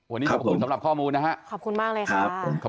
วันนี้ขอบคุณสำหรับข้อมูลนะฮะขอบคุณมากเลยครับ